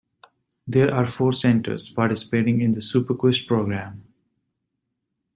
There are four centers participating in the SuperQuest program.